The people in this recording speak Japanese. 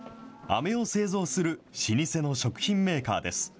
あめを製造する老舗の食品メーカーです。